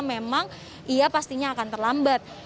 memang ia pastinya akan terlambat